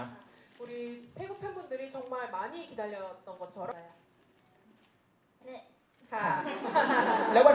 สุดท้ายค่ะ